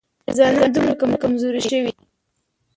ډېری ځوانان دومره کمزوري شوي